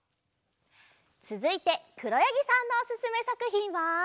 つづいてくろやぎさんのおすすめさくひんは。